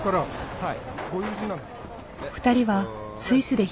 はい。